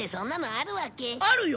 あるよ。